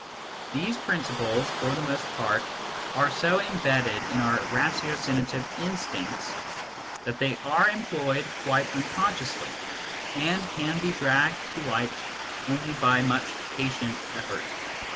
These principles, for the most part, are so embedded in our ratiocinative instincts, that they are employed quite un consciously, and can be dragged to light only by much patient effort.